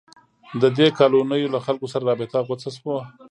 د دې کالونیو له خلکو سره رابطه غوڅه وه.